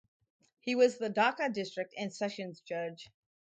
He was the Dhaka District and Sessions Judge.